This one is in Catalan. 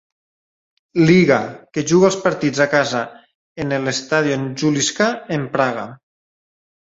Liga, que juga els partits a casa en el Stadion Juliska en Praga.